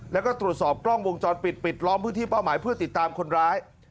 แล้วก็ตรวจสอบกล้องวงจรปิดปิดล้อมพื้นที่เป้าหมายเพื่อติดตามคนร้าย